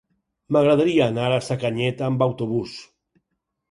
M'agradaria anar a Sacanyet amb autobús.